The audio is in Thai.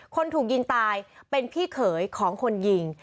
คนถูกยิงตายเป็นพี่เขยของคนยิง